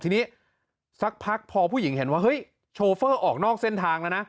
ทีนี้สักพักพอผู้หญิงเห็นว่าเฮ้ยโชเฟอร์ออกนอกเส้นทางแล้วนะ